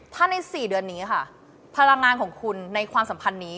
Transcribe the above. ถ้าใน๔เดือนนี้ค่ะพลังงานของคุณในความสัมพันธ์นี้